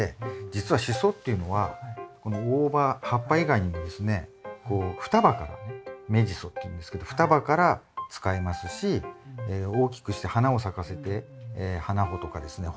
実はシソっていうのはこの大葉葉っぱ以外にもですねこう双葉からね芽ジソっていうんですけど双葉から使いますし大きくして花を咲かせて花穂とかですね